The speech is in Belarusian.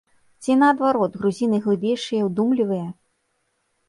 Ці, наадварот, грузіны глыбейшыя і ўдумлівыя?